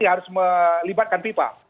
harus melibatkan vipa